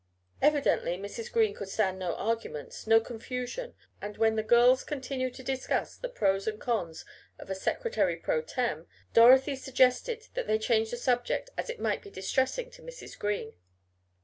Evidently Mrs. Green could stand no arguments, no confusion, and, when the girls continued to discuss the pros and cons of a secretary pro tem, Dorothy suggested that they change the subject as it might be distressing to Mrs. Green.